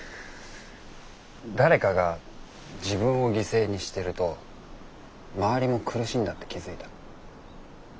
誰かが自分を犠牲にしてると周りも苦しいんだって気付いた。